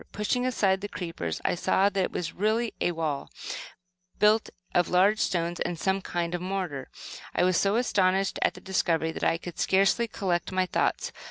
Pushing aside the creepers I saw that it was really a wall, built of large stones and some kind of mortar. I was so astonished at the discovery that I could scarcely collect my thoughts.